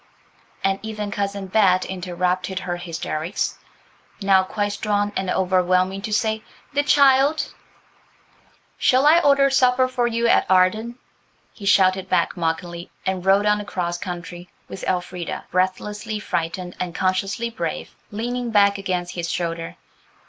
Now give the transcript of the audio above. and even Cousin Bet interrupted her hysterics, now quite strong and overwhelming, to say, "The child–" "Shall I order supper for you at Arden?" he shouted back mockingly, and rode on across country, with Elfrida, breathlessly frightened and consciously brave, leaning back against his shoulder.